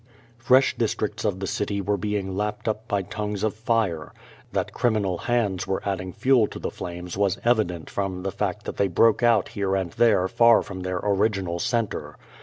Fresh districts of the city were being lapped up by tongues of fire. That criminal hands were adding fuel to the flames was evident from the fact that they broke out here and there far from their original centre.